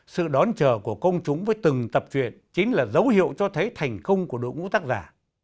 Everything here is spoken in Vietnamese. sự đón chờ của công chúng với từng tập truyện chính là dấu hiệu cho thấy thành công của đội ngũ tác giả